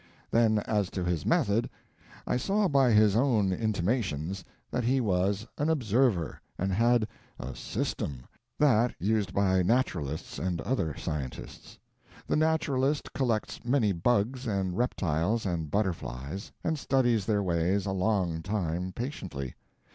Then as to his method! I saw by his own intimations that he was an Observer, and had a System that used by naturalists and other scientists. The naturalist collects many bugs and reptiles and butterflies and studies their ways a long time patiently.